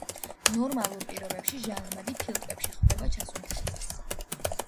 ნორმალურ პირობებში ჟანგბადი ფილტვებში ხვდება ჩასუნთქვისას.